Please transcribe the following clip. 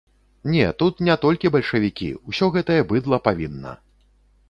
Не, тут не толькі бальшавікі, усё гэтае быдла павінна.